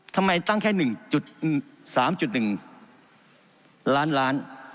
ทำไมตั้งแค่๑๓๑ล้านล้าน